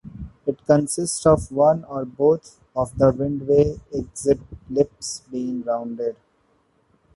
It consists of one or both of the windway exit lips being rounded.